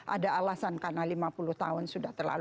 ada alasan karena lima puluh tahun sudah terlalu